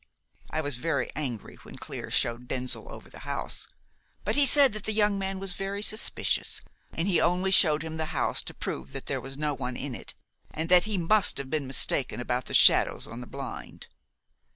I was very angry when Clear showed Denzil over the house; but he said that the young man was very suspicious, and he only showed him the house to prove that there was no one in it, and that he must have been mistaken about the shadows on the blind.